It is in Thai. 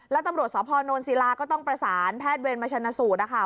แล้วตำรวจสพนศิลาก็ต้องประสานแพทย์เวรมาชนะสูตรนะคะ